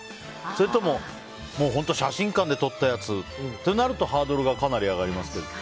それとも写真館で撮ったやつってなるとハードルがかなり上がりますけど。